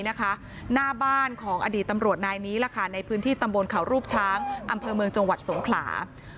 หน้าบ้านของอดีตตำรวจนายนี้ในพื้นที่ตำบลเขารูปช้างอำเภอเมืองจังหวัดสงขลา